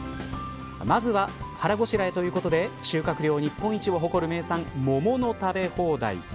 まずは腹ごしらえということで収穫量日本一を誇る名産、桃の食べ放題。